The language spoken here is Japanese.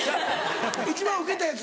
一番ウケたやつ。